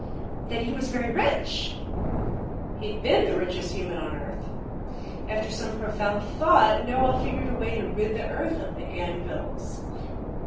"Then, he was very rich?" "He'd been the richest human on Earth. After some profound thought, Knowall figured a way to rid the earth of the An vils."